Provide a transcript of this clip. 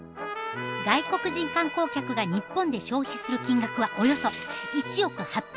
外国人観光客が日本で消費する金額はおよそ１億８００万円。